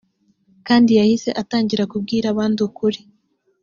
kandi yahise atangira kubwira abandi ukuri